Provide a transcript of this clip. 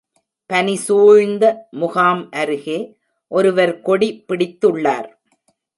பனி சூழ்ந்த முகாம் அருகே ஒருவர் கொடி பிடித்துள்ளார்.